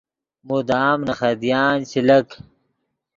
مدام نے خدیان چے لک